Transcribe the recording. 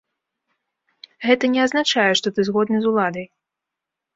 Гэта не азначае, што ты згодны з уладай.